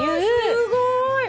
すごい！